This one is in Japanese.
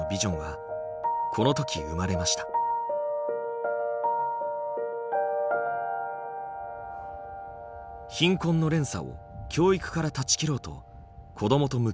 「貧困の連鎖」を教育から断ち切ろうと子どもと向き合う現場。